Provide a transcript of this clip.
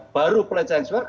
baru pelancaran seksual